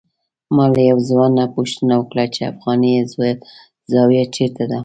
ما له یو ځوان نه پوښتنه وکړه چې افغانیه زاویه چېرته ده.